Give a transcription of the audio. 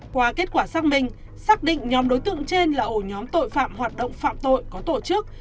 qua kết quả xác minh xác định nhóm đối tượng trên là ổ nhóm tội phạm hoạt động phạm tội có tổ chức